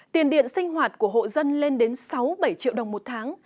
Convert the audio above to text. tiền điện sinh hoạt của hộ dân lên đến sáu bảy triệu đồng một tháng